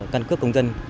căn cước công dân